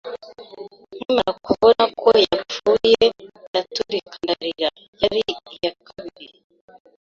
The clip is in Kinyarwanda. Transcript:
nkimara kubona ko yapfuye, ndaturika ndarira. Yari iya kabiri